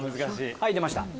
はい出ました